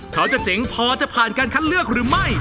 เขาจะเจ๋งพอจะผ่านการคัดเลือกหรือไม่